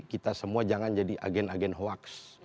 kita semua jangan jadi agen agen hoax